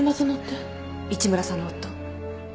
市村さんの夫。